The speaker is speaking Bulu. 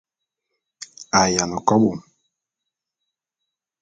A yiane kobô.